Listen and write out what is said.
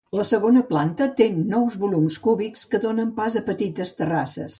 La segona planta, que té nous volums cúbics que donen pas a petites terrasses.